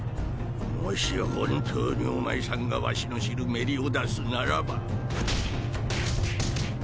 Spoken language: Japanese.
もし本当にお前さんがわしの知るメリオダスならば。